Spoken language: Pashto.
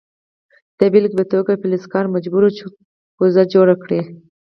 د بیلګې په توګه فلزکار مجبور و چې کوزه جوړه کړي.